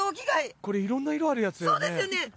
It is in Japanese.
これいろんな色あるやつだよね。